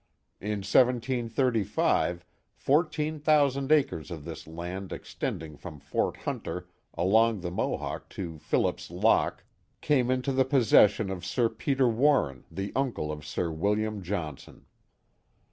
In 1735 fourteen thousand acres of this land extending from Fort Hunter along the Mo hawk to Phillip's lock, came into the possession of Sir Peter Warren, the uncle of Sir William Johnson.